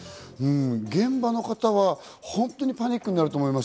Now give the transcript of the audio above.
現場の方は本当にパニックになると思います。